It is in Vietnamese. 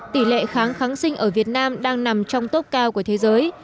tỷ lệ kháng kháng sinh ở việt nam đang nằm trong tốc cao của thế giới